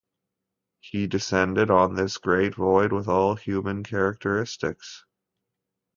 He descended on this great void with all human characteristics.